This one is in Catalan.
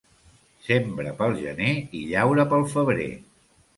Sembra pel gener i llaura pel febrer.